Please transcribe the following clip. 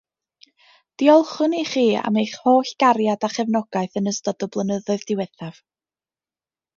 Diolchwn i chi am eich holl gariad a chefnogaeth yn ystod y blynyddoedd diwethaf.